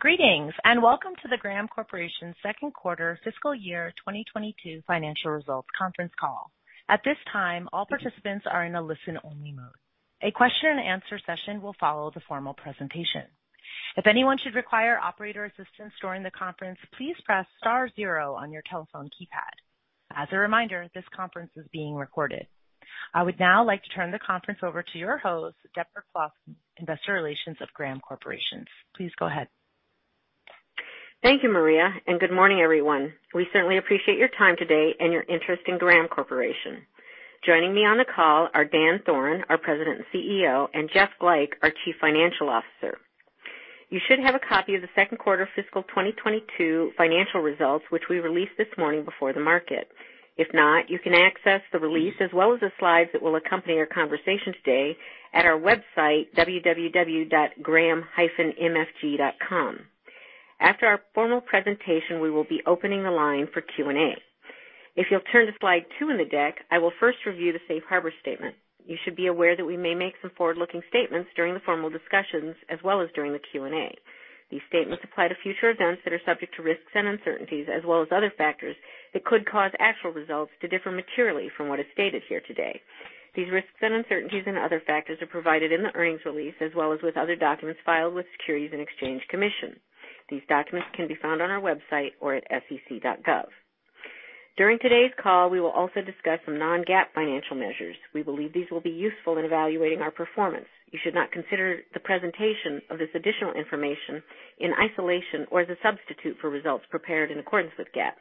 Greetings and welcome to the Graham Corporation's Second Quarter Fiscal Year 2022 Financial Results Conference Call. At this time all participants are in a listen-only mode. A question-and-answer session will follow the formal presentation. If anyone should require operator assistance during the conference, please press star zero on your telephone keypad. As a reminder this conference is being recorded. I would now like to turn the conference over to your host, Deborah Pawlowski, Investor Relations, Graham Corporation. Please go ahead. Thank you Maria and good morning, everyone. We certainly appreciate your time today and your interest in Graham Corporation. Joining me on the call are Dan Thoren our President and CEO, and Jeff Glajch our Chief Financial Officer. You should have a copy of the second quarter fiscal 2022 financial results, which we released this morning before the market. If not, you can access the release as well as the slides that will accompany our conversation today at our website, www.graham-mfg.com. After our formal presentation, we will be opening the line for Q&A. If you'll turn to slide two in the deck, I will first review the Safe Harbor Statement. You should be aware that we may make some forward-looking statements during the formal discussions as well as during the Q&A. These statements apply to future events that are subject to risks, and uncertainties as well as other factors. That could cause actual results to differ materially from what is stated here today. These risks and uncertainties and other factors are provided in the earnings release as well as with other documents filed with Securities and Exchange Commission. These documents can be found on our website or at sec.gov. During today's call, we will also discuss some non-GAAP financial measures. We believe these will be useful in evaluating our performance. You should not consider the presentation of this additional information in isolation or as a substitute for results prepared in accordance with GAAP.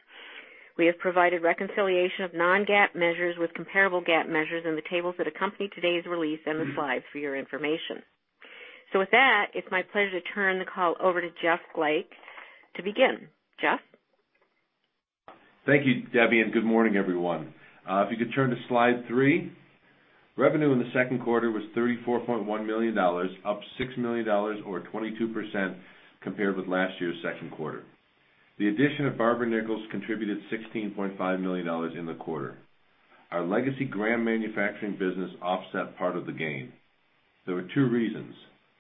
We have provided reconciliation of non-GAAP measures with comparable GAAP measures in the tables that accompany today's release and the slides for your information. With that it's my pleasure to turn the call over to Jeff Glajch to begin. Jeff? Thank you Deb and good morning, everyone. If you could turn to slide three. Revenue in the second quarter was $34.1 million, up $6 million or 22% compared with last year's second quarter. The addition of Barber-Nichols contributed $16.5 million in the quarter. Our legacy Graham Manufacturing business offset part of the gain, there were two reasons.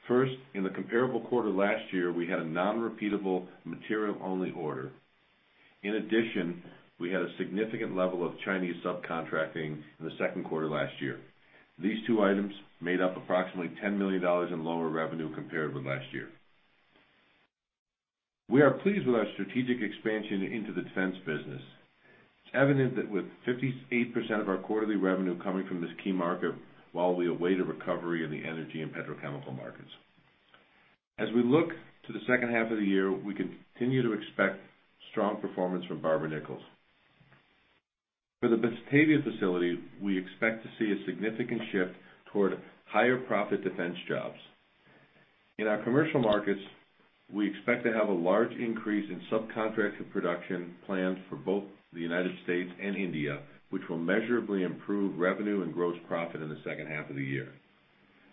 First, in the comparable quarter last year, we had a non-repeatable material-only order. In addition, we had a significant level of Chinese subcontracting in the second quarter last year. These two items made up approximately $10 million in lower revenue compared with last year. We are pleased with our strategic expansion into the Defense business. It's evident that with 58% of our quarterly revenue coming from this key market. While we await a recovery in the energy and petrochemical markets. As we look to the second half of the year, we continue to expect strong performance from Barber-Nichols. For the Batavia facility, we expect to see a significant shift toward higher-profit Defense jobs. In our commercial markets, we expect to have a large increase in subcontracted production planned for both the United States and India. Which will measurably improve revenue and gross profit in the second half of the year.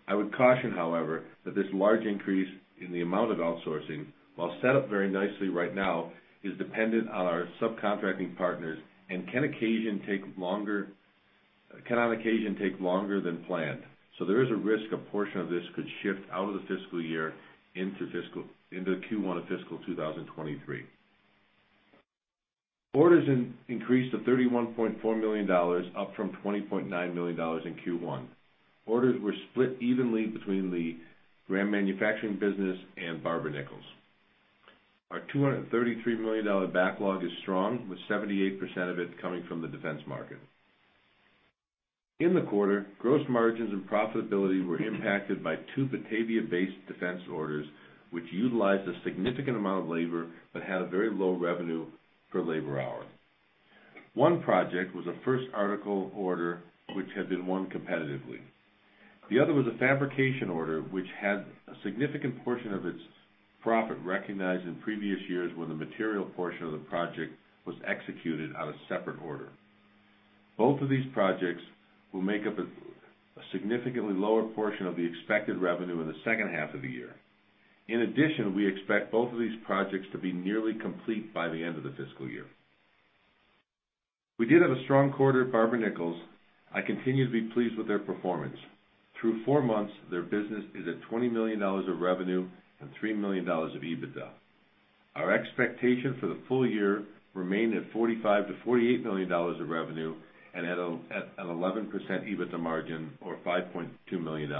I would caution, however, that this large increase in the amount of outsourcing. While set up very nicely right now, is dependent on our subcontracting partners and can on occasion take longer than planned. There is a risk a portion of this could shift out of the fiscal year into Q1 of fiscal 2023. Orders increased to $31.4 million, up from $20.9 million in Q1. Orders were split evenly between the Graham Manufacturing business and Barber-Nichols. Our $233 million backlog is strong, with 78% of it coming from the Defense market. In the quarter, gross margins and profitability were impacted by two Batavia-based Defense orders. Which utilized a significant amount of labor but had a very low revenue per labor hour. One project was a first article order which had been won competitively. The other was a fabrication order which had a significant portion of its profit recognized in previous years. When the material portion of the project was executed on a separate order. Both of these projects will make up a significantly lower portion of the expected revenue in the second half of the year. In addition, we expect both of these projects to be nearly complete by the end of the fiscal year. We did have a strong quarter at Barber-Nichols. I continue to be pleased with their performance. Through four months, their business is at $20 million of revenue and $3 million of EBITDA. Our expectation for the full year remained at $45 million-$48 million of revenue and at an 11% EBITDA margin or $5.2 million.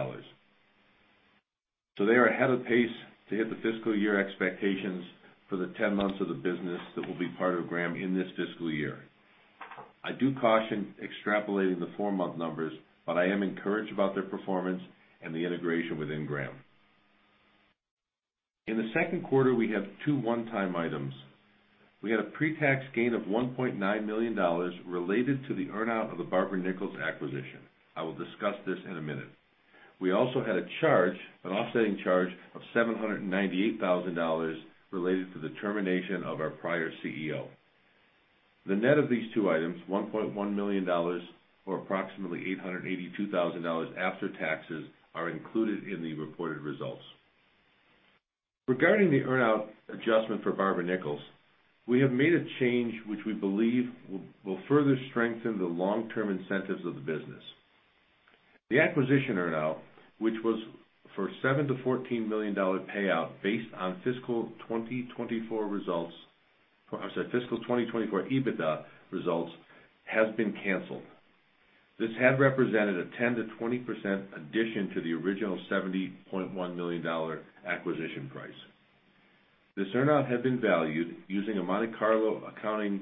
They are ahead of pace to hit the fiscal year expectations for the 10 months of the business, that will be part of Graham in this fiscal year. I do caution extrapolating the four-month numbers, but I am encouraged about their performance and the integration within Graham. In the second quarter, we have two one-time items. We had a pre-tax gain of $1.9 million related to the earn-out of the Barber-Nichols acquisition. I will discuss this in a minute. We also had a charge, an offsetting charge of $798,000 related to the termination of our prior CEO. The net of these two items, $1.1 million or approximately $882,000 after taxes, are included in the reported results. Regarding the earn-out adjustment for Barber-Nichols, we have made a change which we believe will further strengthen the long-term incentives of the business. The acquisition earn-out, which was for $7 million-$14 million payout based on fiscal 2024 results. I'm sorry, fiscal 2024 EBITDA results, has been canceled. This had represented a 10%-20% addition to the original $70.1 million acquisition price. This earn-out had been valued using a Monte Carlo accounting,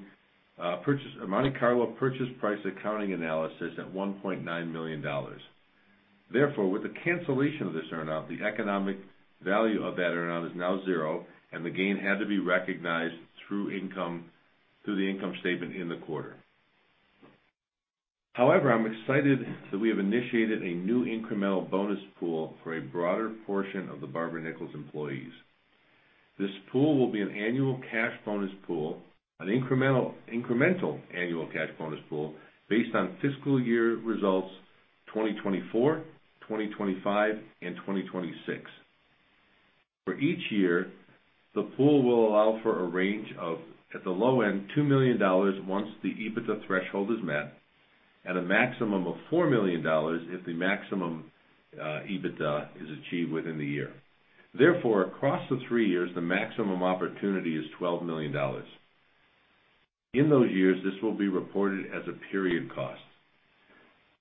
a Monte Carlo purchase price accounting analysis at $1.9 million. Therefore, with the cancellation of this earn-out. The economic value of that earn-out is now zero, and the gain had to be recognized through the income statement in the quarter. However, I'm excited that we have initiated a new incremental bonus pool for a broader portion of the Barber-Nichols employees. This pool will be an annual cash bonus pool, an incremental annual cash bonus pool based on fiscal year results 2024, 2025, and 2026. For each year, the pool will allow for a range of at the low end, $2 million once the EBITDA threshold is met. And a maximum of $4 million if the maximum EBITDA is achieved within the year. Therefore, across the three years, the maximum opportunity is $12 million. In those years, this will be reported as a period cost.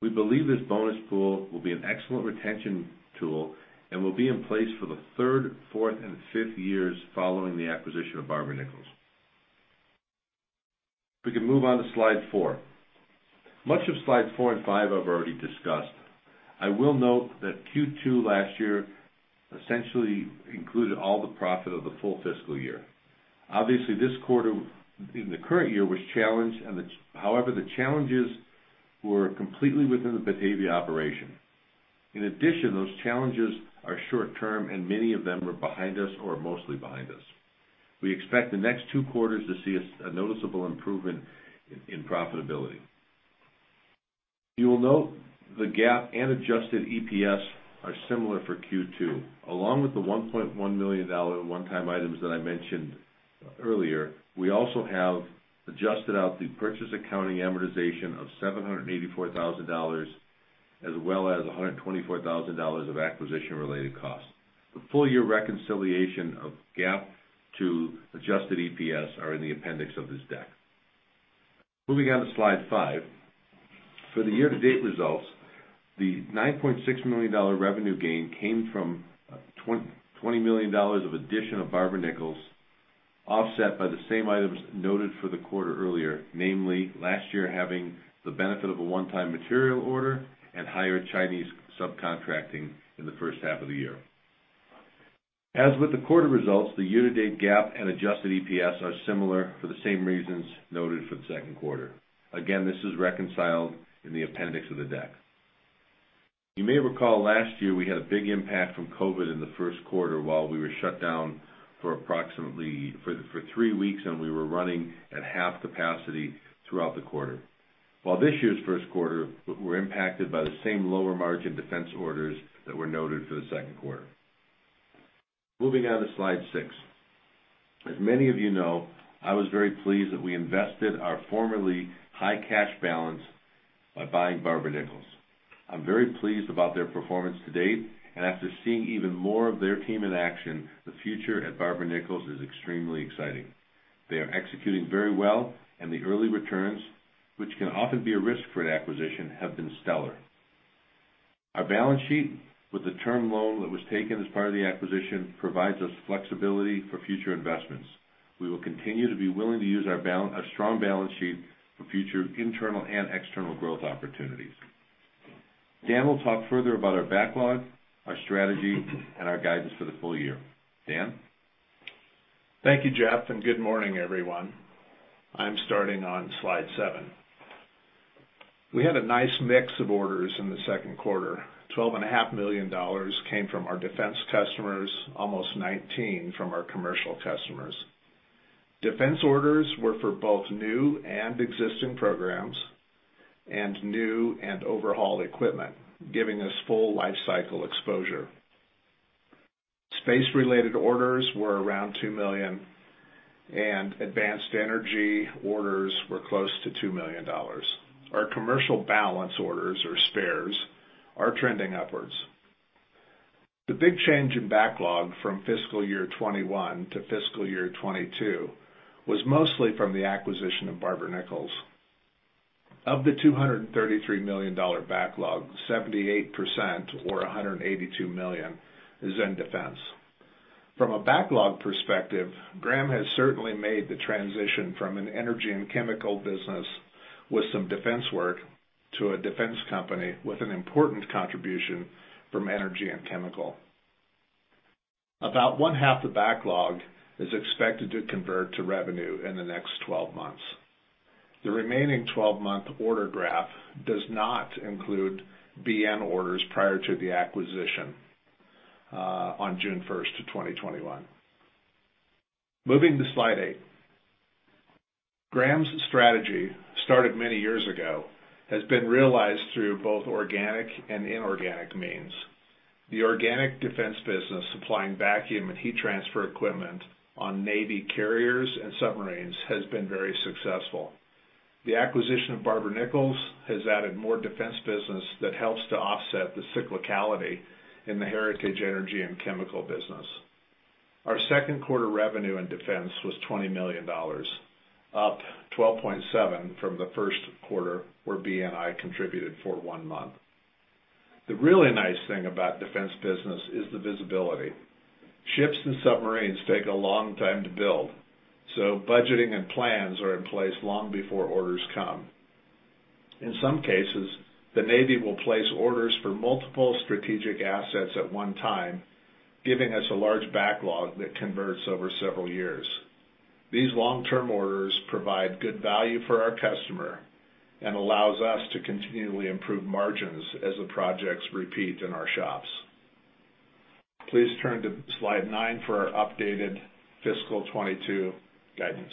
We believe this bonus pool will be an excellent retention tool and will be in place for the third, fourth, and fifth years following the acquisition of Barber-Nichols. We can move on to slide four. Much of slide four and five I've already discussed. I will note that Q2 last year essentially included all the profit of the full fiscal year. Obviously, this quarter, the current year was challenged. However, the challenges were completely within the Batavia operation. In addition, those challenges are short-term, and many of them are behind us or mostly behind us. We expect the next two quarters to see a noticeable improvement in profitability. You will note the GAAP, and adjusted EPS are similar for Q2. Along with the $1.1 million one-time items that I mentioned earlier, we also have adjusted out the purchase accounting amortization of $784,000, as well as $124,000 of acquisition-related costs. The full-year reconciliation of GAAP to adjusted EPS is in the appendix of this deck. Moving on to slide five. For the year-to-date results, the $9.6 million revenue gain came from $20 million of addition of Barber-Nichols. Offset by the same items noted for the quarter earlier, namely last year having the benefit of a one-time material order and higher Chinese subcontracting in the first half of the year. As with the quarter results, the year-to-date GAAP and adjusted EPS are similar for the same reasons noted for the second quarter. Again, this is reconciled in the appendix of the deck. You may recall last year we had a big impact from COVID in the first quarter. While we were shut down for approximately three weeks, and we were running at half capacity throughout the quarter. While this year's first quarter, we're impacted by the same lower-margin Defense orders that were noted for the second quarter. Moving on to slide six. As many of you know, I was very pleased that we invested our formerly high cash balance by buying Barber-Nichols. I'm very pleased about their performance to date, and after seeing even more of their team in action, the future at Barber-Nichols is extremely exciting. They are executing very well, and the early returns, which can often be a risk for an acquisition, have been stellar. Our balance sheet, with the term loan that was taken as part of the acquisition, provides us flexibility for future investments. We will continue to be willing to use our strong balance sheet for future internal and external growth opportunities. Dan will talk further about our backlog, our strategy, and our guidance for the full year. Dan? Thank you Jeff and good morning, everyone. I'm starting on slide seven. We had a nice mix of orders in the second quarter. $12.5 million came from our Defense customers. Almost $19 million from our commercial customers. Defense orders were for both new and existing programs and new and overhauled equipment, giving us full life cycle exposure. Space-related orders were around $2 million, and advanced energy orders were close to $2 million. Our commercial balance orders or spares are trending upwards. The big change in backlog from fiscal year 2021-fiscal year 2022 was mostly from the acquisition of Barber-Nichols. Of the $233 million backlog, 78%, or $182 million, is in Defense. From a backlog perspective, Graham has certainly made the transition from an energy and chemical business with some Defense work. To a Defense company with an important contribution from energy and chemical. About 1/2 the backlog is expected to convert to revenue in the next 12 months. The remaining 12-month order graph does not include BN orders prior to the acquisition on June 1, 2021. Moving to slide eight. Graham's strategy started many years ago has been realized through both organic and inorganic means. The organic Defense business supplying vacuum and heat transfer equipment, on Navy carriers and submarines has been very successful. The acquisition of Barber-Nichols has added more Defense business, that helps to offset the cyclicality in the heritage energy and chemical business. Our second quarter revenue in Defense was $20 million, up 12.7% from the first quarter where BNI contributed for one month. The really nice thing about Defense business is the visibility. Ships and submarines take a long time to build. So, budgeting and plans are in place long before orders come. In some cases, the Navy will place orders for multiple strategic assets at one time, giving us a large backlog that converts over several years. These long-term orders provide good value for our customer and allows us to continually improve margins as the projects repeat in our shops. Please turn to slide nine, for our updated fiscal 2022 guidance.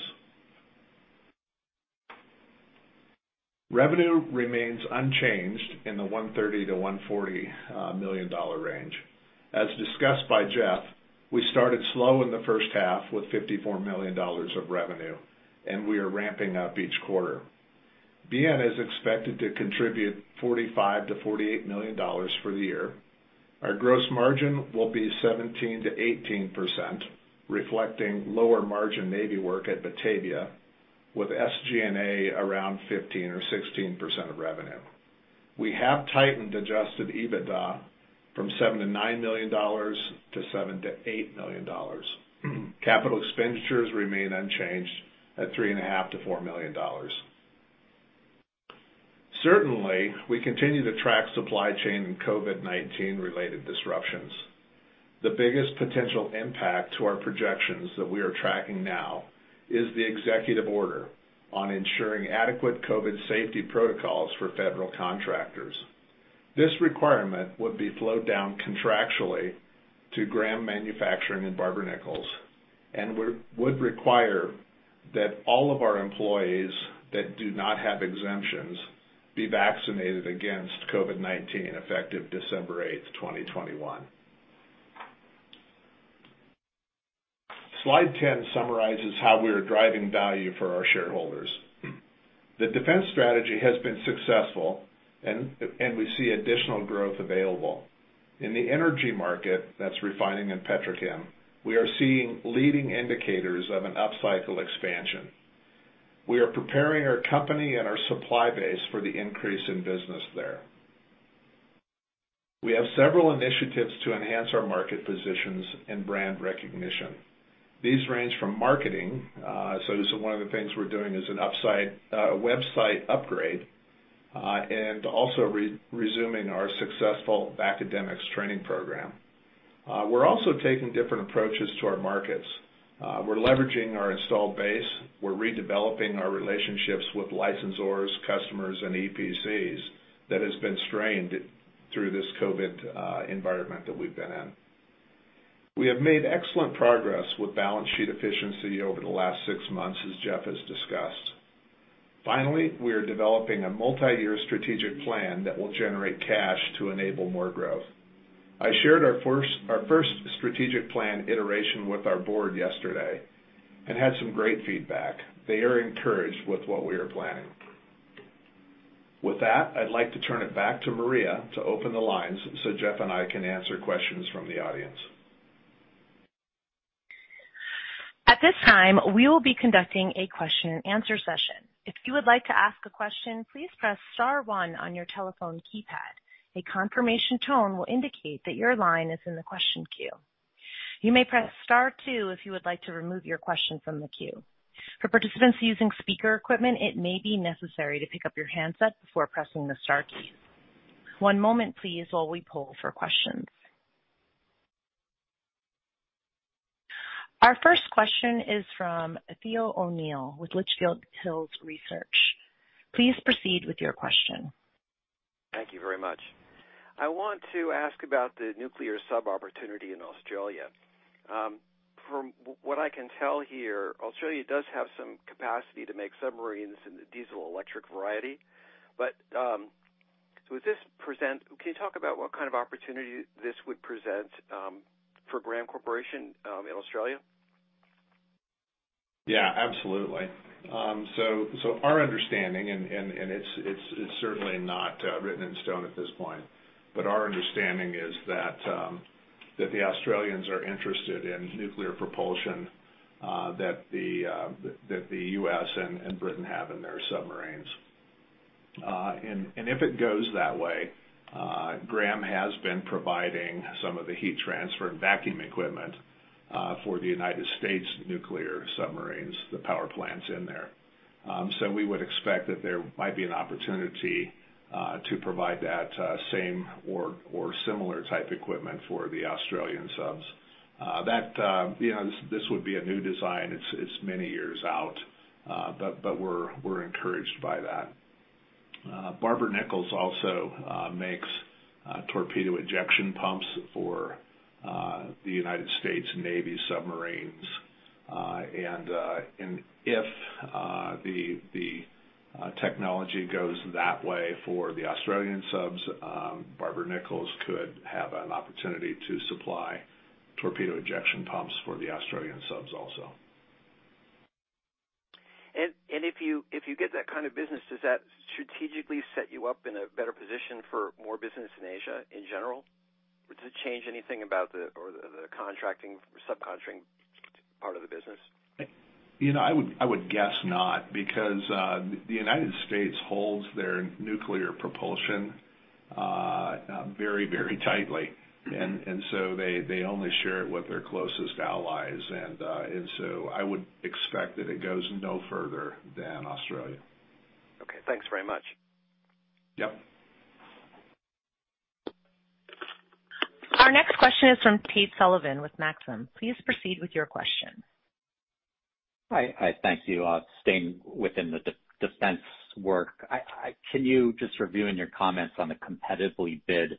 Revenue remains unchanged in the $130 million-$140 million range. As discussed by Jeff, we started slow in the first half with $54 million of revenue, and we are ramping up each quarter. BN is expected to contribute $45 million-$48 million for the year. Our gross margin will be 17%-18%, reflecting lower margin Navy work at Batavia, with SG&A around 15% or 16% of revenue. We have tightened adjusted EBITDA from $7 million-$9 million to $7 million-$8 million. Capital expenditures remain unchanged at $3.5 million-$4 million. Certainly, we continue to track supply chain and COVID-19 related disruptions. The biggest potential impact to our projections that we are tracking now is the Executive Order on Ensuring Adequate COVID Safety Protocols for Federal Contractors. This requirement would be flowed down contractually to Graham Manufacturing and Barber-Nichols. And would require that all of our employees that do not have exemptions be vaccinated against COVID-19 effective December 8, 2021. Slide 10 summarizes how we are driving value for our shareholders. The Defense strategy has been successful, and we see additional growth available. In the energy market that's refining and petrochem, we are seeing leading indicators of an upcycle expansion. We are preparing our company and our supply base for the increase in business there. We have several initiatives to enhance our market positions and brand recognition. These range from marketing, so this is one of the things we're doing is a website upgrade. And also resuming our successful academic training program. We're also taking different approaches to our markets. We're leveraging our installed base. We're redeveloping our relationships with licensors, customers, and EPCs that has been strained through this COVID environment that we've been in. We have made excellent progress with balance sheet efficiency over the last six months, as Jeff has discussed. Finally, we are developing a multi-year strategic plan that will generate cash to enable more growth. I shared our first strategic plan iteration with our board yesterday and had some great feedback. They are encouraged with what we are planning. With that, I'd like to turn it back to Maria to open the lines so, Jeff and I can answer questions from the audience. At this time, we will be conducting a question-and-answer session. If you would like to ask a question, please press star one on your telephone keypad. A confirmation tone will indicate that your line is in the question queue. You may press star two if you would like to remove your question from the queue. For participants using speaker equipment, it may be necessary to pick up your handset before pressing the star key. One moment please, while we poll for questions. Our first question is from Theo O'Neill with Litchfield Hills Research. Please proceed with your question. Thank you very much, I want to ask about the nuclear sub opportunity in Australia. From what I can tell here, Australia does have some capacity to make submarines in the diesel-electric variety. Would this present? Can you talk about what kind of opportunity this would present for Graham Corporation in Australia? Yeah absolutely, our understanding, and it's certainly not written in stone at this point. But our understanding is that the Australians are interested in nuclear propulsion that the U.S. and Britain have in their submarines. If it goes that way, Graham has been providing some of the heat transfer and vacuum equipment. For the United States nuclear submarines, the power plants in there. We would expect that there might be an opportunity to provide that same or similar type equipment for the Australian subs. You know, this would be a new design. It's many years out, but we're encouraged by that. Barber-Nichols also makes torpedo ejection pumps for. The U.S. Navy submarines, if the technology goes that way for the Australian subs. Barber-Nichols could have an opportunity to supply torpedo ejection pumps for the Australian subs also. If you get that kind of business, does that strategically set you up in a better position for more business in Asia in general? Would it change anything about the contracting or subcontracting part of the business? You know, I would guess not because the United States holds their nuclear propulsion very tightly. They only share it with their closest allies. I would expect that it goes no further than Australia. Okay, thanks very much. Yep. Our next question is from Tate Sullivan with Maxim. Please proceed with your question. Hi, thank you. Staying within the Defense work, can you just review in your comments on the competitively bid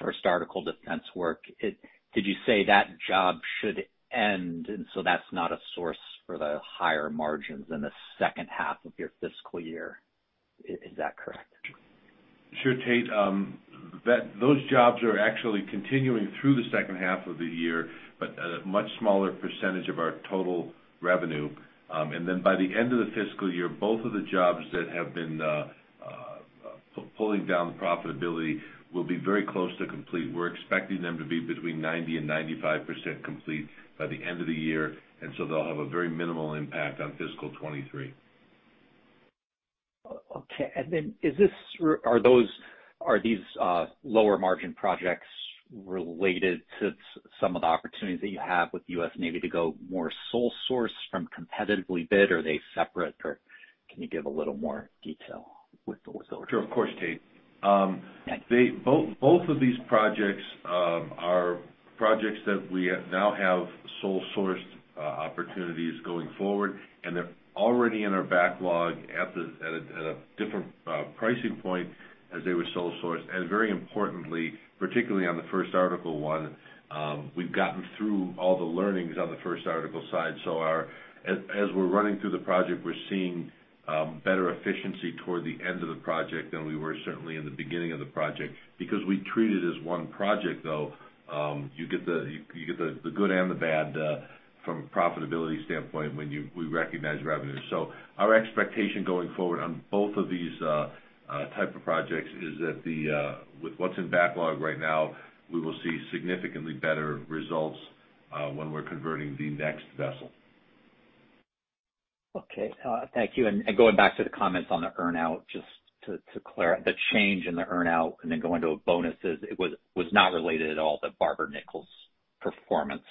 first article Defense work? Did you say that job should end, and so that's not a source for the higher margins in the second half of your fiscal year? Is that correct? Sure Tate, those jobs are actually continuing through the second half of the year, but at a much smaller percentage of our total revenue. By the end of the fiscal year, both of the jobs that have been pulling down the profitability. Will be very close to complete. We're expecting them to be between 90% and 95% complete by the end of the year. They'll have a very minimal impact on fiscal 2023. Are these lower margin projects related to some of the opportunities that you have. With the U.S. Navy to go more sole source from competitively bid or are they separate, or can you give a little more detail with those? Sure of course, Tate. Both of these projects are projects that we now have sole-sourced opportunities going forward. And they're already in our backlog at a different pricing point than they were sole sourced. Very importantly, particularly on the first article one, we've gotten through all the learnings on the first article side. As we're running through the project, we're seeing better efficiency toward the end of the project than we were certainly in the beginning of the project. Because we treat it as one project. Though, you get the good and the bad from a profitability standpoint when we recognize revenue. Our expectation going forward on both of this type of project is that, with what's in backlog right now. We will see significantly better results when we're converting the next vessel. Thank you, going back to the comments on the earn-out. Just to the change in the earn-out and then going to bonuses, it was not related at all to Barber-Nichols' performance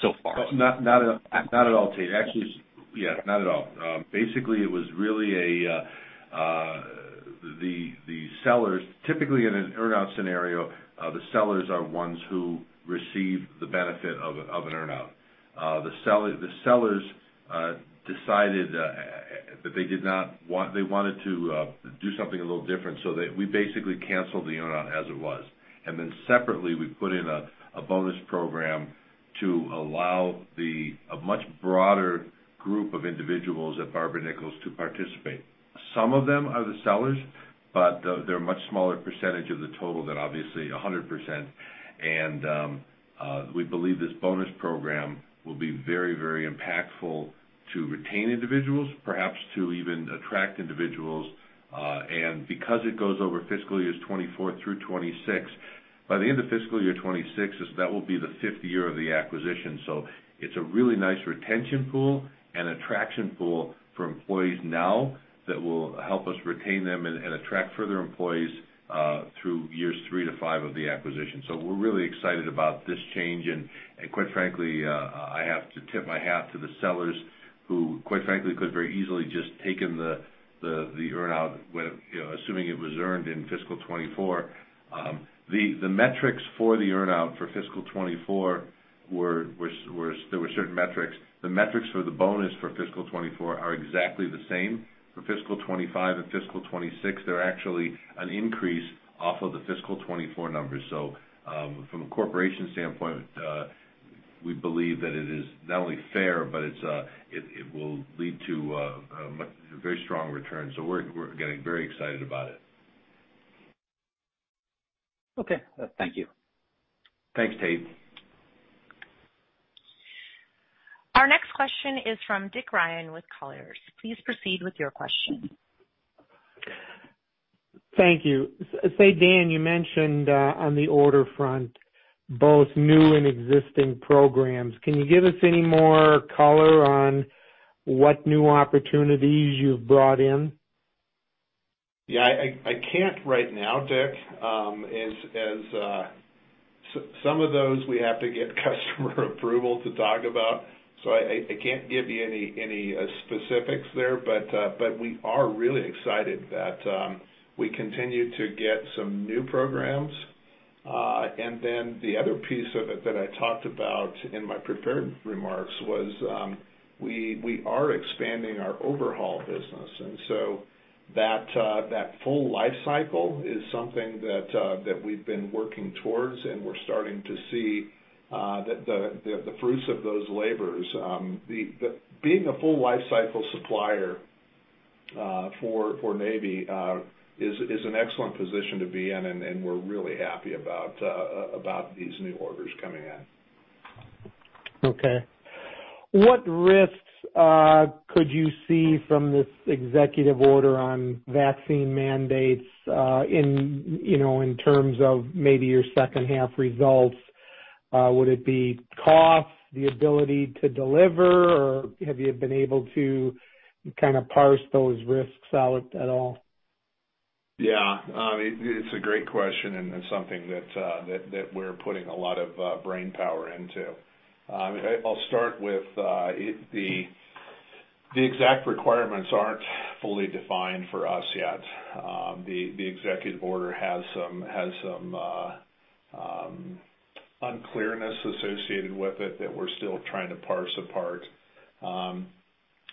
so far? No, not at all Tate. Actually, yeah not at all, basically it was really the sellers. Typically, in an earn-out scenario the sellers are ones, who receive the benefit of an earn-out. The sellers decided they wanted to do something a little different. We basically canceled the earn-out as it was. Then separately, we put in a bonus program to allow a much broader group of individuals at Barber-Nichols to participate. Some of them are the sellers. But they're a much smaller percentage of the total than obviously 100%. We believe this bonus program will be very, very impactful to retain individuals, perhaps to even attract individuals. Because it goes over fiscal years 2024 through 2026. By the end of fiscal year 2026, that will be the fifth year of the acquisition. It's a really nice retention pool and attraction pool for employees now. That will help us retain them and attract further employees through years three to five of the acquisition. We're really excited about this change. Quite frankly, I have to tip my hat to the sellers who, quite frankly, could very easily just taken the earn-out with, you know, assuming it was earned in fiscal 2024. The metrics for the earn-out for fiscal 2024 were certain metrics. The metrics for the bonus for fiscal 2024 are exactly the same. For FY 2025 and FY 2026, they're actually an increase off of the FY 2024 numbers. From a corporation standpoint, we believe that it is not only fair, but it will lead to a very strong return. We're getting very excited about it. Okay, thank you. Thanks, Tate. Our next question is from Dick Ryan with Colliers. Please proceed with your question. Thank you, say Dan you mentioned on the order front, both new and existing programs. Can you give us any more color on what new opportunities you've brought in? Yeah, I can't right now Dick, as some of those we have to get customer approval to talk about. So, I can't give you any specifics there. We are really excited that we continue to get some new programs Then the other piece of it that I talked about in my prepared remarks was, we are expanding our overhaul business. That full lifecycle is something that we've been working towards, and we're starting to see the fruits of those labors. Being a full lifecycle supplier for Navy is an excellent position to be in, and we're really happy about these new orders coming in. Okay, what risks could you see from this Executive Order on vaccine mandates, you know, in terms of maybe your second half results? Would it be cost, the ability to deliver, or have you been able to kinda parse those risks out at all? Yeah, it's a great question and something that we're putting a lot of brainpowers into. I'll start with the exact requirements aren't fully defined for us yet. The Executive Order has some unclearness associated with it that we're still trying to parse apart.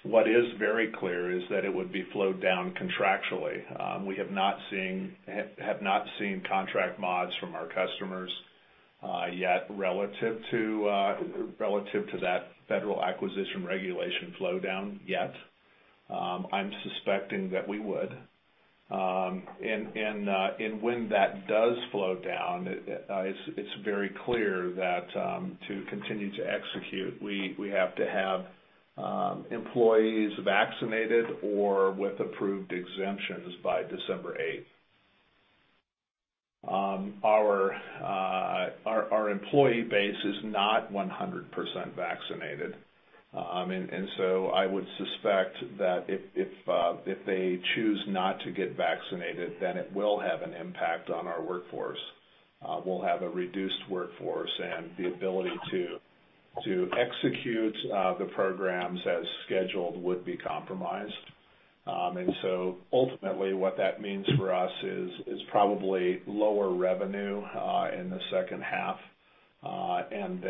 What is very clear is that it would be flowed down contractually. We have not seen contract mods from our customers yet relative to that Federal Acquisition Regulation flow down yet. I'm suspecting that we would. When that does flow down, it's very clear that to continue to execute, we have to have employees vaccinated or with approved exemptions by December 8. Our employee base is not 100% vaccinated. I would suspect that if they choose not to get vaccinated, then it will have an impact on our workforce. We'll have a reduced workforce, and the ability to execute the programs as scheduled would be compromised. Ultimately, what that means for us is probably lower revenue in the second half. And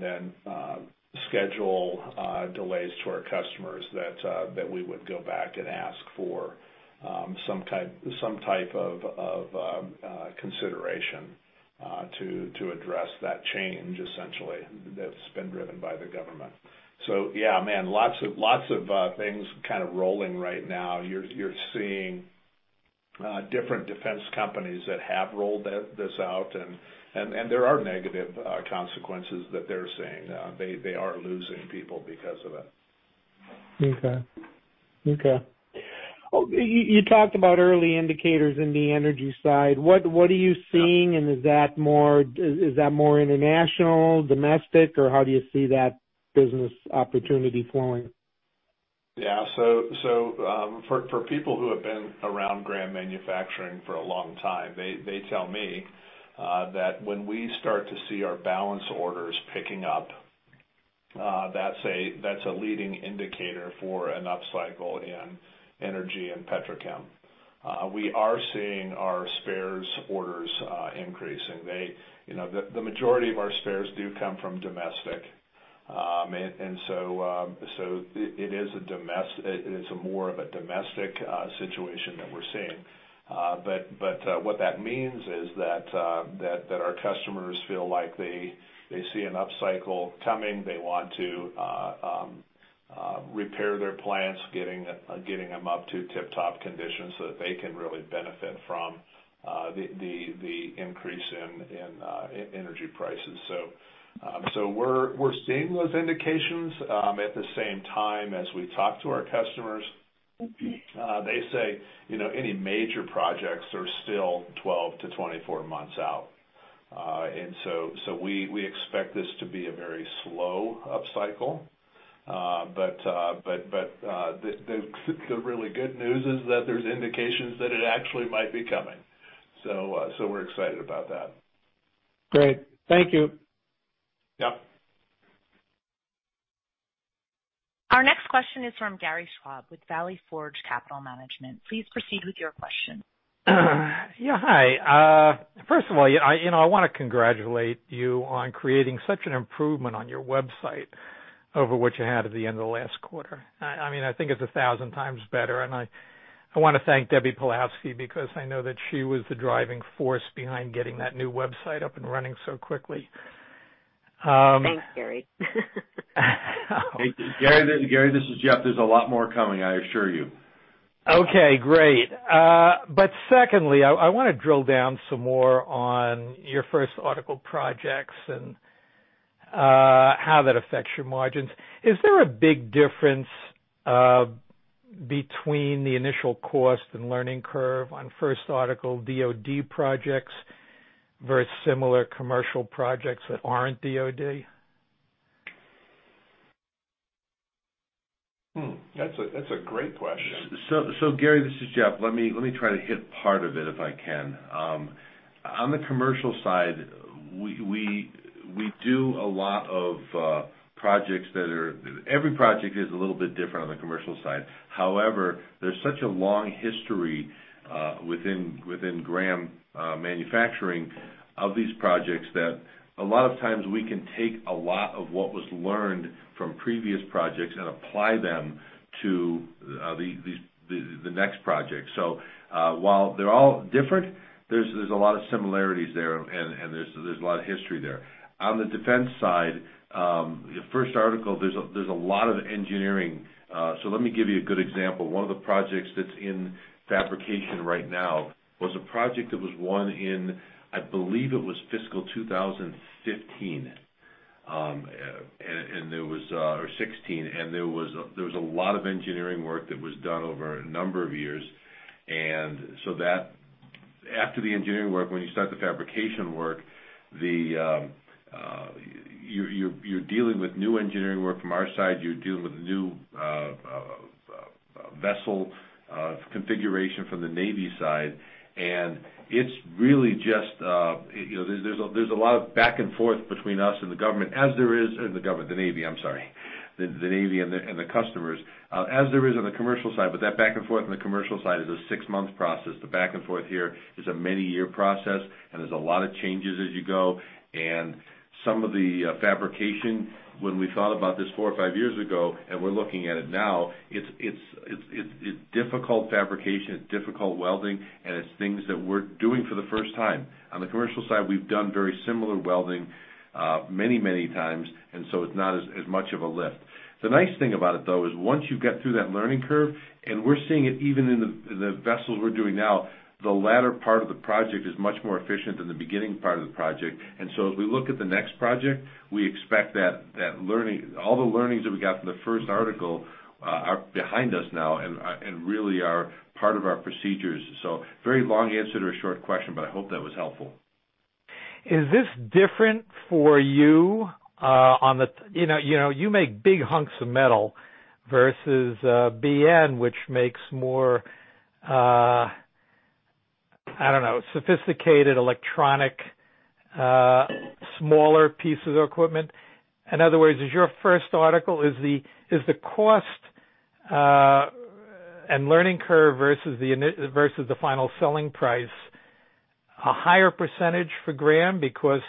then schedule delays to our customers that we would go back and ask for some type of consideration to address. That change essentially that's been driven by the government. Yeah, man, lots of thing's kind of rolling right now. You're seeing different Defense companies that have rolled this out and there are negative consequences that they're seeing. They are losing people because of it. Okay, you talked about early indicators in the energy side. What are you seeing, and is that more international, domestic, or how do you see that business opportunity flowing? For people who have been around Graham Corporation for a long time, they tell me that when we start to see our backlog orders picking up. That's a leading indicator for an upcycle in energy and petrochem. We are seeing our spares orders increasing. You know, the majority of our spares do come from domestic. It is more of a domestic situation that we're seeing. But what that means is that our customers feel like they see an upcycle coming. They want to repair their plants, getting them up to tip-top conditions so that they can really benefit from the increase in energy prices. We're seeing those indications. At the same time, as we talk to our customers. Mm-hmm. They say, you know, any major projects are still 12-24 months out. We expect this to be a very slow upcycle. The really good news is that there's indications that it actually might be coming. We're excited about that. Great, thank you. Yep. Our next question is from Gary Schwab with Valley Forge Capital Management. Please proceed with your question. Yeah hi, first of all, you know, I wanna congratulate you on creating such an improvement on your website. Over what you had at the end of the last quarter. I mean, I think it's 1,000 times better, and I wanna thank Deb Pawlowski because I know that she was the driving force behind getting that new website up and running so quickly. Thanks, Gary. Gary, this is Jeff there's a lot more coming I assure you. Okay great, secondly, I wanna drill down some more on your first article projects, and how that affects your margins. Is there a big difference between the initial cost, and learning curve on first article DoD projects versus similar commercial projects that aren't DoD? That's a great question. Gary this is Jeff, let me try to hit part of it, if I can. On the commercial side, we do a lot of projects that every project is a little bit different on the commercial side. However, there's such a long history within Graham Manufacturing of these projects. That a lot of times we can take a lot of what was learned from previous projects and apply them to the next project. While they're all different, there's a lot of similarities there, and there's a lot of history there. On the Defense side, the first article, there's a lot of engineering. Let me give you a good example. One of the projects that's in fabrication right now was a project that was won in, I believe it was fiscal 2015 or 2016. And there was a lot of engineering work that was done over a number of years. After the engineering work, when you start the fabrication work. You're dealing with new engineering work from our side you're dealing with new vessel configuration from the Navy side. It's really just, you know, there's a lot of back and forth between us and the Navy, and the customers as there is on the commercial side. But that back and forth on the commercial side is a six-month process. The back and forth here is a many-year process, and there's a lot of changes as you go. Some of the fabrication, when we thought about this four or five years ago, and we're looking at it now. It's difficult fabrication, it's difficult welding, and it's things that we're doing for the first time. On the commercial side, we've done very similar welding many times, and so it's not as much of a lift. The nice thing about it, though, is once you get through that learning curve, and we're seeing it even in the vessels we're doing now. The latter part of the project is much more efficient than the beginning part of the project. As we look at the next project, we expect that learning, all the learnings that we got from the first article are behind us now and really are part of our procedures. Very long answer to a short question, but I hope that was helpful. Is this different for you on the you know you make big hunks of metal versus BN which makes more, I don't know sophisticated electronic smaller pieces of equipment. In other words, is your first article the cost and learning curve versus the final selling price a higher percentage for Graham. Because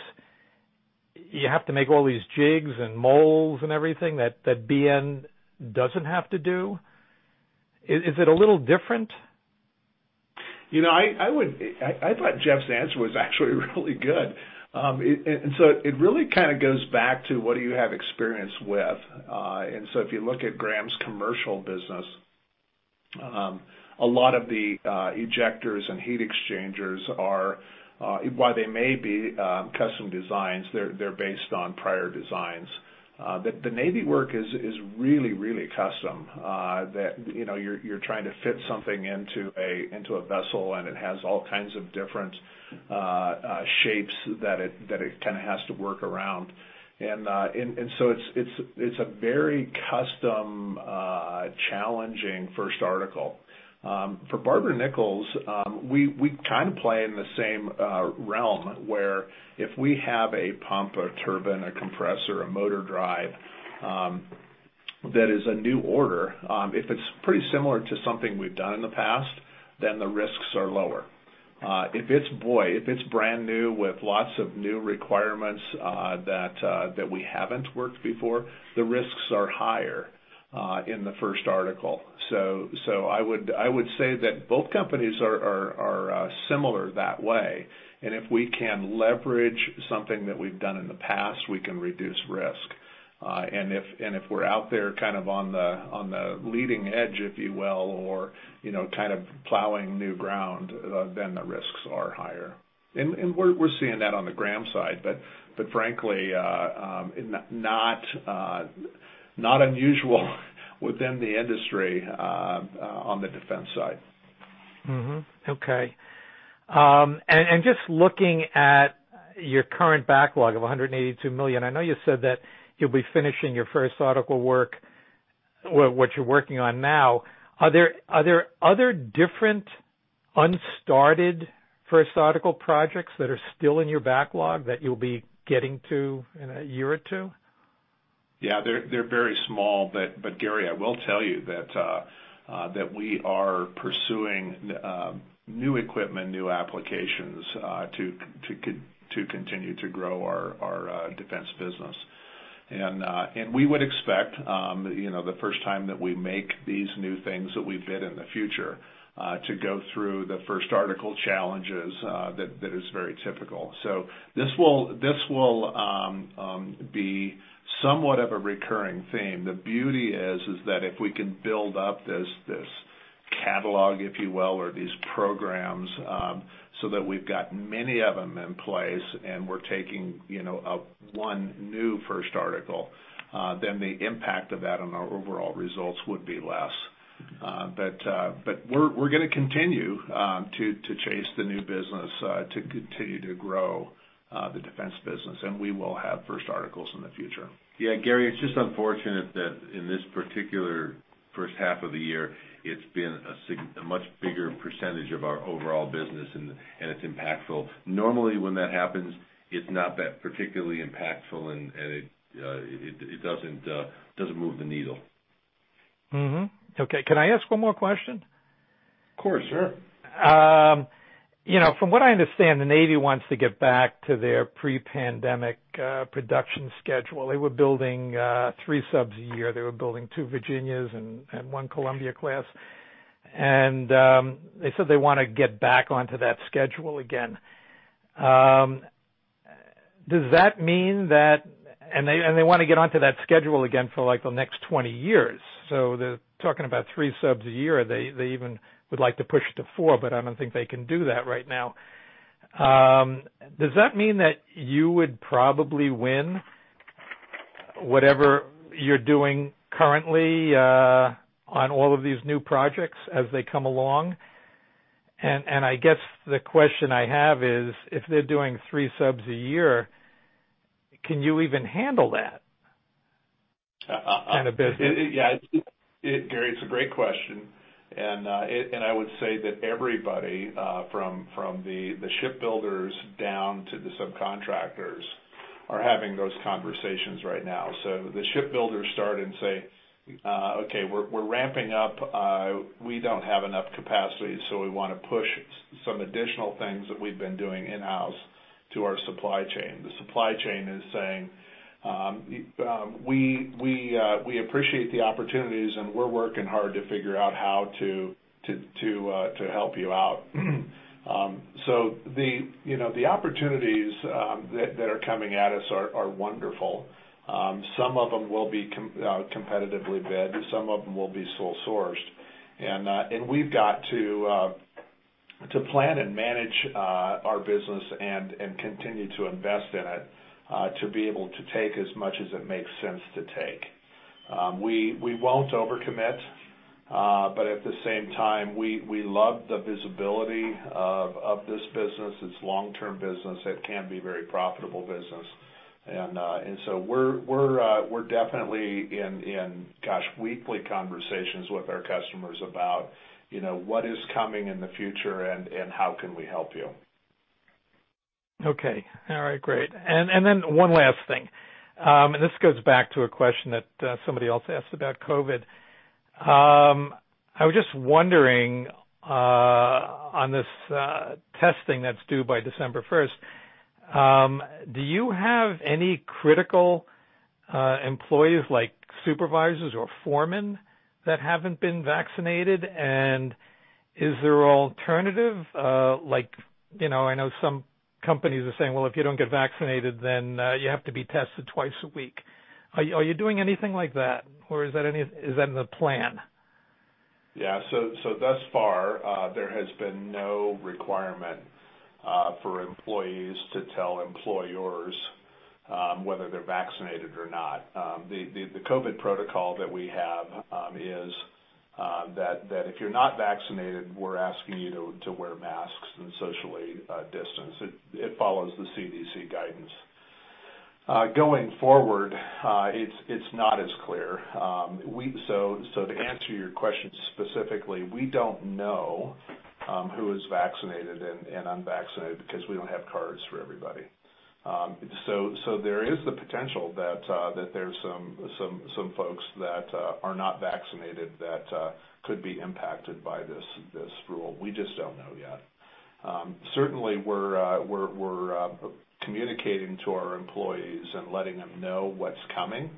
you have to make all these jigs and molds and everything that BN doesn't have to do? Is it a little different? You know, I thought Jeff's answer was actually really good. It really kind of goes back to what you have experience with. If you look at Graham's commercial business, a lot of the ejectors and heat exchangers are. While they may be, custom designs, they're based on prior designs. The Navy work is really custom, you know, you're trying to fit something into a vessel, and it has all kinds of different shapes that it kind of has to work around. It's a very custom challenging first article. For Barber-Nichols, we kind of play in the same realm. Where if we have a pump, a turbine, a compressor, a motor drive, that is a new order. If it's pretty similar to something we've done in the past, then the risks are lower. If it's, boy, if it's brand new with lots of new requirements, that we haven't worked before, the risks are higher in the first article. I would say that both companies are similar that way. If we can leverage something that we've done in the past, we can reduce risk. If we're out there kind of on the leading edge, if you will, or you know, kind of plowing new ground, then the risks are higher. We're seeing that on the Graham side, but frankly, not unusual within the industry, on the Defense side. Okay, just looking at your current backlog of $182 million, I know you said that you'll be finishing your first article work, what you're working on now. Are there other different unstarted first article projects that are still in your backlog that you'll be getting to in a year or two? Yeah, they're very small. Gary, I will tell you that we are pursuing new equipment, new applications to continue to grow our Defense business. We would expect, you know, the first time that we make these new things that we bid in the future, to go through the first article challenges that is very typical. This will be somewhat of a recurring theme. The beauty is that if we can build up this catalog, if you will or these programs so that we've got many of them in place and we're taking. You know, one new first article then the impact of that on our overall results would be less. We're gonna continue to chase the new business to continue to grow the Defense business, and we will have first articles in the future. Yeah, Gary it's just unfortunate that in this particular first half of the year. It's been a much bigger percentage of our overall business, and it's impactful. Normally, when that happens, it's not that particularly impactful, and it doesn't move the needle. Okay, can I ask one more question? Of course, sir. You know, from what I understand, the Navy wants to get back to their pre-pandemic production schedule. They were building three subs a year. They were building two Virginia-class and 1 Columbia-class. They said they wanna get back onto that schedule again. Does that mean that they wanna get onto that schedule again for, like, the next 20 years. They're talking about three subs a year. They even would like to push it to four, but I don't think they can do that right now. Does that mean that you would probably win whatever you're doing currently on all of these new projects as they come along? I guess the question I have is, if they're doing three subs a year, can you even handle that kind of business? Gary it's a great question, and I would say that everybody from the shipbuilders down to the subcontractors, are having those conversations right now. The shipbuilders start and say, "Okay, we're ramping up. We don't have enough capacity, so we wanna push some additional things that we've been doing in-house to our supply chain." The supply chain is saying, "We appreciate the opportunities, and we're working hard to figure out how to help you out." You know, the opportunities that are coming at us are wonderful. Some of them will be competitively bid, some of them will be sole sourced. We've got to plan and manage our business and continue to invest in it to be able to take as much as it makes sense to take. We won't overcommit, but at the same time. We love the visibility of this business, it's long-term business. It can be very profitable business. We're definitely in ongoing weekly conversations with our customers about, you know, what is coming in the future and how can we help you. Okay all right, great. One last thing, this goes back to a question that somebody else asked about COVID. I was just wondering on this testing that's due by December 1, do you have any critical employees like supervisors or foremen that haven't been vaccinated? Is there alternative like, you know, I know some companies are saying, "Well, if you don't get vaccinated, then you have to be tested twice a week." Are you doing anything like that, or is that in the plan? Yeah, thus far there has been no requirement for employees to tell employers whether they're vaccinated or not. The COVID protocol that we have is that if you're not vaccinated. We're asking you to wear masks and socially distance. It follows the CDC guidance, going forward it's not as clear. To answer your question specifically, we don't know who is vaccinated and unvaccinated because we don't have cards for everybody. There is the potential that there's some folks that are not vaccinated that could be impacted by this rule. We just don't know yet. Certainly, we're communicating to our employees and letting them know what's coming.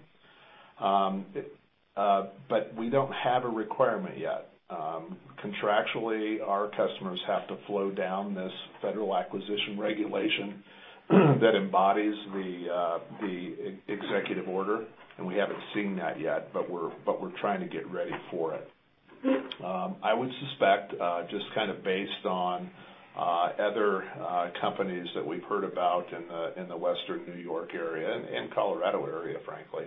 We don't have a requirement yet. Contractually, our customers have to flow down this Federal Acquisition Regulation that embodies the Executive Order. And we haven't seen that yet, but we're trying to get ready for it. I would suspect, just kind of based on other companies that we've heard about in the Western New York area, and Colorado area frankly,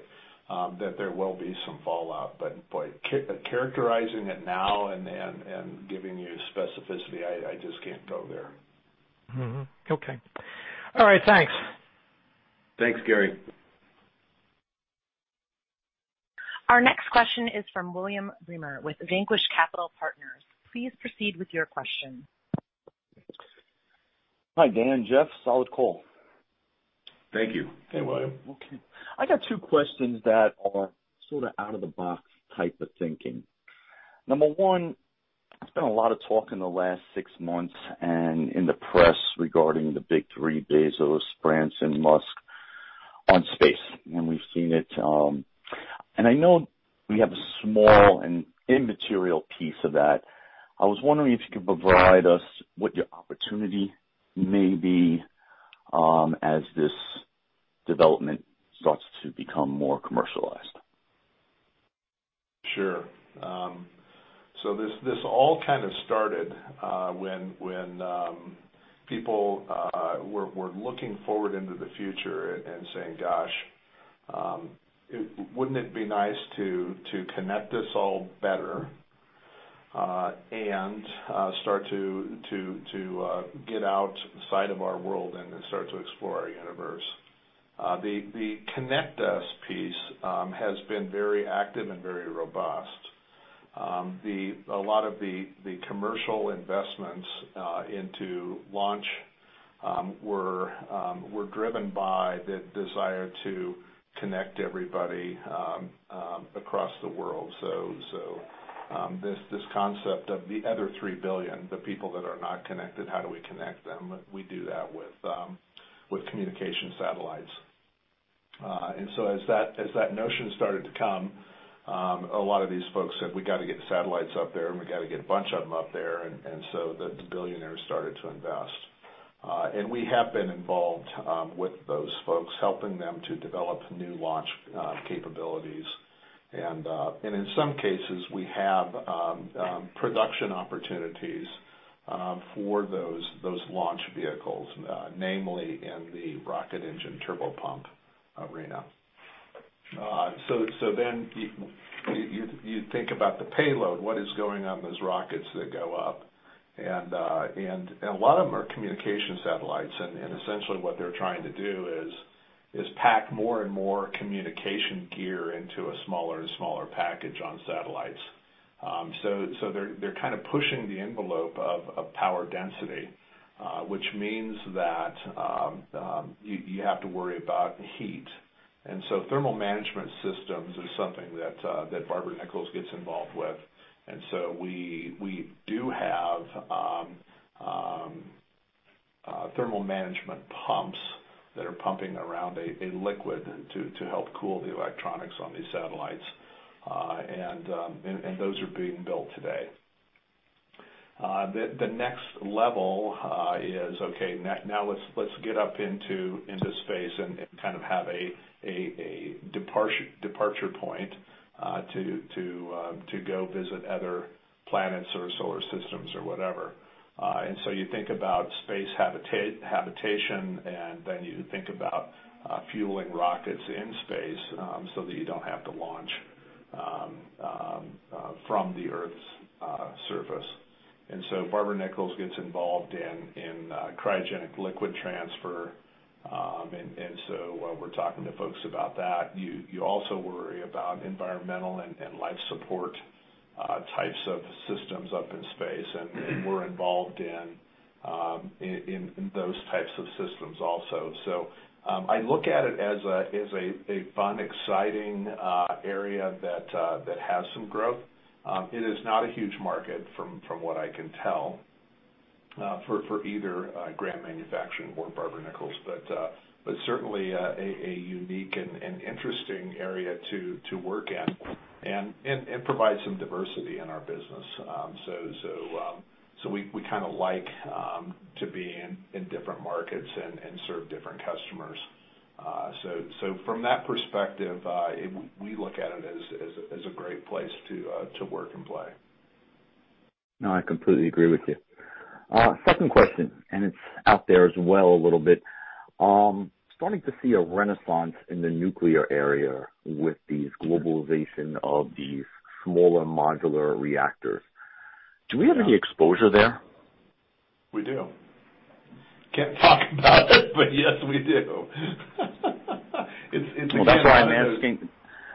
that there will be some fallout. Characterizing it now and giving you specificity, I just can't go there. Mm-hmm, okay all right thanks. Thanks, Gary. Our next question is from William Riemer with Vanquish Capital Partners. Please proceed with your question. Hi Dan and Jeff, solid call. Thank you. Hey, William. Okay, I got two questions that are sort of out of the box type of thinking. Number one, there's been a lot of talk in the last six months and in the press regarding the big three Bezos, Branson, Musk, on space, and we've seen it. I know we have a small and immaterial piece of that. I was wondering if you could provide us what your opportunity may be, as this development starts to become more commercialized. Sure, this all kind of started when people were looking forward into the future and saying, "Gosh, wouldn't it be nice to connect us all better and start to get outside of our world and start to explore our universe?" The connect us piece has been very active and very robust. A lot of the commercial investments into launch were driven by the desire to connect everybody across the world. This concept of the other 3 billion, the people that are not connected, how do we connect them? We do that with communication satellites. As that notion started to come, a lot of these folks said, we gotta get the satellites up there, and we gotta get a bunch of them up there. The billionaires started to invest. We have been involved with those folks, helping them to develop new launch capabilities. In some cases, we have production opportunities for those launch vehicles, namely in the rocket engine turbo pump arena. You think about the payload, what is going on, those rockets that go up, and a lot of them are communication satellites. Essentially what they're trying to do is pack more and more communication gear into a smaller and smaller package on satellites. So, they're kind of pushing the envelope of power density, which means that you have to worry about heat. Thermal management systems is something that Barber-Nichols gets involved with. We do have thermal management pumps that are pumping around a liquid to help cool the electronics on these satellites. Those are being built today. The next level is, okay, now let's get up into space and kind of have a departure point to go visit other planets or solar systems or whatever. You think about space habitation, and then you think about fueling rockets in space, so that you don't have to launch from the Earth's surface. Barber-Nichols gets involved in cryogenic liquid transfer. We're talking to folks about that. You also worry about environmental and life support types of systems up in space. We're involved in those types of systems also. I look at it as a fun, exciting area that has some growth. It is not a huge market from what I can tell for either Graham Corporation or Barber-Nichols, but certainly a unique and interesting area to work in and provide some diversity in our business. We kind of like to be in different markets and serve different customers. From that perspective, we look at it as a great place to work and play. No, I completely agree with you. Second question, it's out there as well a little bit. Starting to see a renaissance in the nuclear area with the globalization of these smaller modular reactors. Do we have any exposure there? We do, can't talk about it but yes, we do, it's. Well, that's why I'm asking.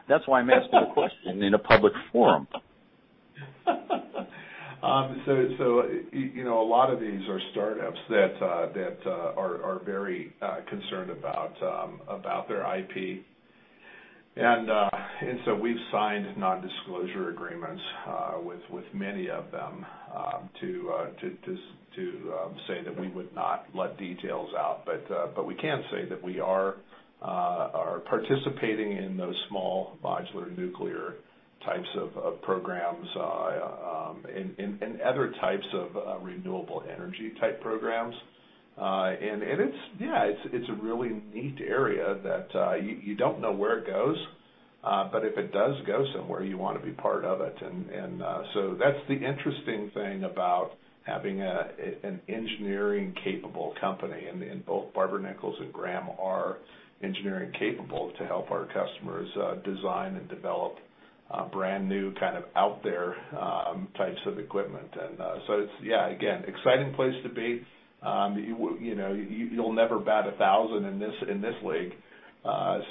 That's why I'm asking the question in a public forum. You know, a lot of these are startups that are very concerned about their IP. We've signed Non-Disclosure Agreements with many of them to say that we would not let details out. We can say that we are participating in those small modular nuclear types of programs and other types of renewable energy type programs. It's a really neat area that you don't know where it goes, but if it does go somewhere, you wanna be part of it. That's the interesting thing about having an engineering capable company. Both Barber-Nichols and Graham are engineering capable to help our customers design and develop brand-new kind of out there types of equipment. It's an exciting place to be. You know, you'll never bat a thousand in this league.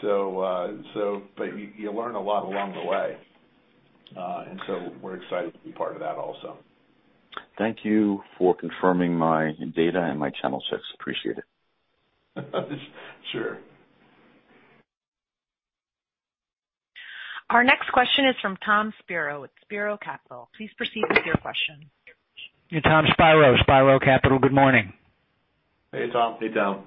You learn a lot along the way. We're excited to be part of that also. Thank you for confirming my data and my channel checks, appreciate it. Sure. Our next question is from Tom Spiro with Spiro Capital. Please proceed with your question. Tom Spiro, Spiro Capital good morning. Hey, Tom. Hey, Tom.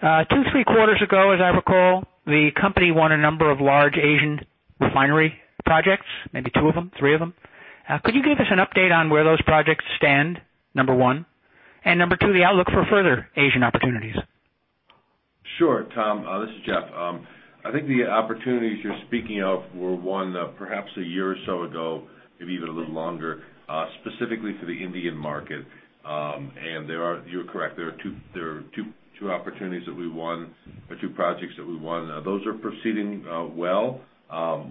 Two-three quarters ago, as I recall, the company won a number of large Asian refinery projects, maybe two-three of them. Could you give us an update on where those projects stand? Number one, number two the outlook for further Asian opportunities. Sure, Tom this is Jeff. I think the opportunities you're speaking of were won perhaps a year or so ago. Maybe even a little longer, specifically for the Indian market, you're correct. There are two opportunities that we won or two projects that we won. Those are proceeding well.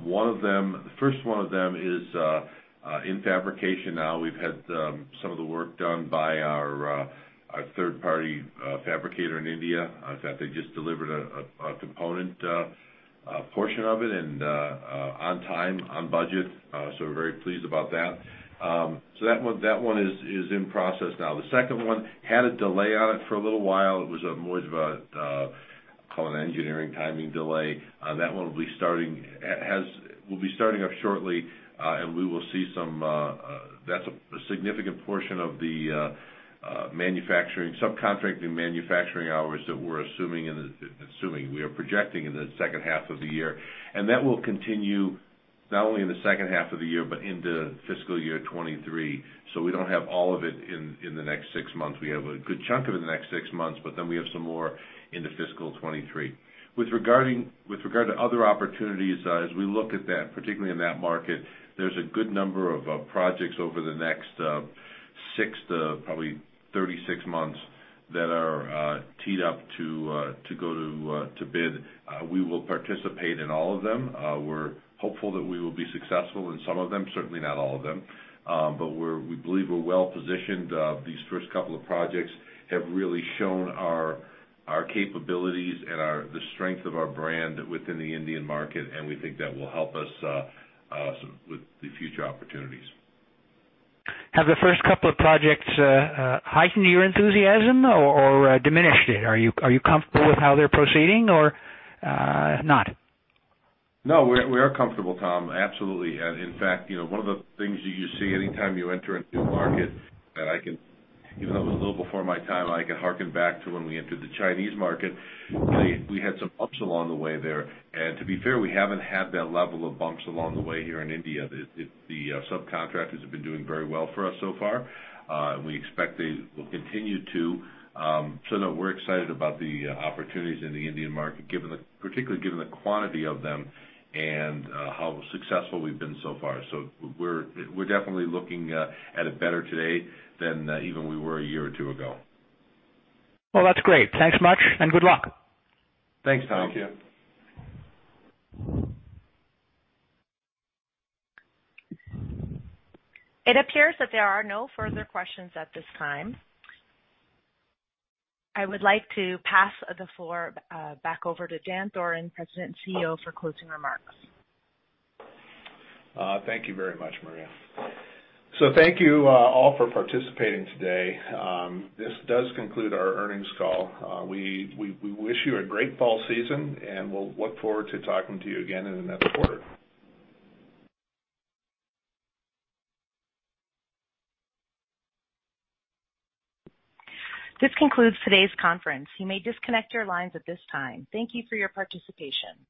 One of them, the first one, is in fabrication now. We've had some of the work done by our third-party fabricator in India. In fact, they just delivered a component portion of it and on time, on budget. So, we're very pleased about that. That one is in process now. The second one had a delay on it for a little while. It was more of a. Call it engineering timing delay. That one will be starting up shortly, and we will see some. That's a significant portion of the subcontracting manufacturing hours that we're assuming. We are projecting in the second half of the year. That will continue not only in the second half of the year, but into fiscal year 2023. We don't have all of it in the next six months. We have a good chunk of it in the next six months, but then we have some more into fiscal 2023. With regard to other opportunities, as we look at that particularly in that market. There's a good number of projects over the next six to probably 36 months that are teed up to go to bid. We will participate in all of them. We're hopeful that we will be successful in some of them, certainly not all of them. We believe we're well positioned. These first couple of projects have really shown our capabilities and the strength of our brand within the Indian market, and we think that will help us some with the future opportunities. Have the first couple of projects heightened your enthusiasm or diminished it? Are you comfortable with how they're proceeding or not? No, we are comfortable Tom. Absolutely, in fact you know, one of the things you just see anytime you enter a new market. That I can, even though it was a little before my time, I can harken back to when we entered the Chinese market. We had some bumps along the way there. To be fair we haven't had that level of bumps along the way here in India. The subcontractors have been doing very well for us so far. We expect they will continue to. No, we're excited about the opportunities in the Indian market, given the, particularly given the quantity of them and how successful we've been so far. We're definitely looking at it better today than even we were a year or two ago. Well, that's great, thanks much and good luck. Thanks, Tom. Thank you. It appears that there are no further questions at this time. I would like to pass the floor back over to Dan Thoren, President and CEO for closing remarks. Thank you very much, Maria. Thank you all for participating today. This does conclude our earnings call. We wish you a great fall season, and we'll look forward to talking to you again in another quarter. This concludes today's conference. You may disconnect your lines at this time. Thank you for your participation.